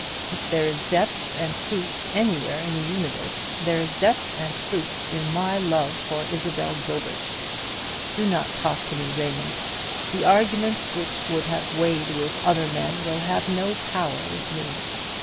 If there is depth and truth anywhere in the universe, there is depth and truth in my love for Isabel Gilbert. Do not talk to me, Raymond. The arguments which would have weight with other men, have no power with me.